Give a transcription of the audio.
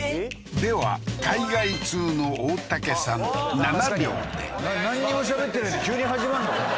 では海外通の大竹さん７秒でなんにもしゃべってないで急に始まんの？